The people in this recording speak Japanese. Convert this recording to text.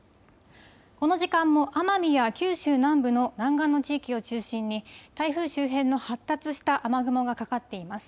この時間も奄美や九州南部の南岸の地域を中心に台風周辺の発達した雨雲がかかっています。